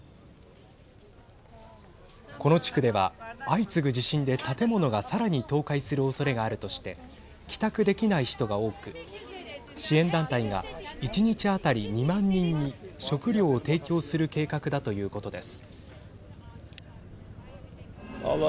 この地区では相次ぐ地震で建物がさらに倒壊するおそれがあるとして帰宅できない人が多く支援団体が１日当たり２万人に食料を提供する計画だということです。